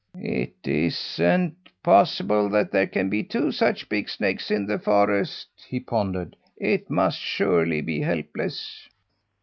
"It isn't possible that there can be two such big snakes in the forest," he pondered. "It must surely be Helpless!"